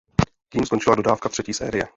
Tím skončila dodávka třetí série.